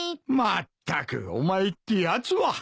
まったくお前ってやつは。